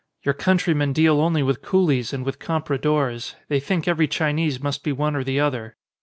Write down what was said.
"Your countrymen deal only with coolies and with compradores ; they think every Chinese must be one or the other."